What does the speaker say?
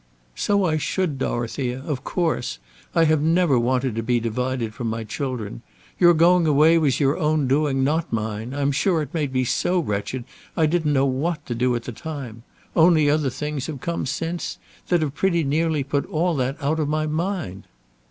"So I should, Dorothea, of course. I have never wanted to be divided from my children. Your going away was your own doing, not mine. I'm sure it made me so wretched I didn't know what to do at the time. Only other things have come since, that have pretty nearly put all that out of my mind."